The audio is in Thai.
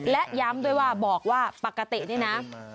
และย้ำด้วยว่าบอกว่าปกตินี่นะ